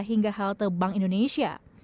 hingga halte bank indonesia